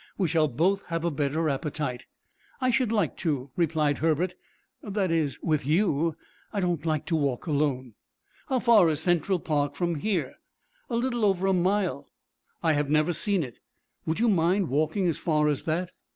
We shall both have a better appetite." "I should like to," replied Herbert; "that is, with you. I don't like to walk alone." "How far is Central Park from here?" "A little over a mile." "I have never seen it. Would you mind walking as far as that?"